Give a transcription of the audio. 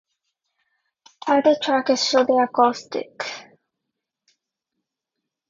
The title track is fully acoustic.